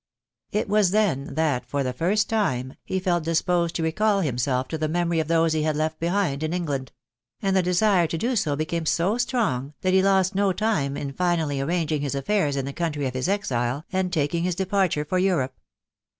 It was then that, for the first time, he felt disposed to re* call himself to the memory of those he had left behind him in England ; and the desire to do so became so strong, that he lost no time in finally arranging his affairs in the country of his exile, and taking his departure for Europe.